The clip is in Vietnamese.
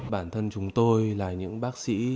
bản thân chúng tôi là những bác sĩ